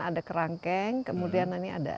ada kerangkeng kemudian ini ada